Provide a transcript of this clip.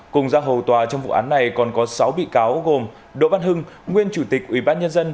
cùng ra hầu tòa trong vụ án này còn có sáu bị cáo gồm đỗ văn hưng nguyên chủ tịch ủy ban nhân dân